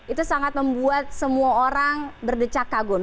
itu sangat membuat semua orang berdecak kagum